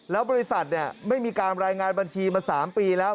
แล้วบริษัทไม่มีการรายงานบัญชีมา๓ปีแล้ว